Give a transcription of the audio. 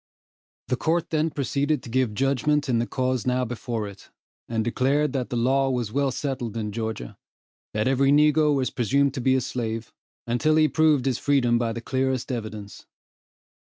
The court then proceeded to give judgment in the cause now before it, and declared that the law was well settled in Georgia that every negro was presumed to be a slave, until he proved his freedom by the clearest evidence.